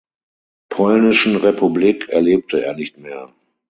Polnischen Republik erlebte er nicht mehr.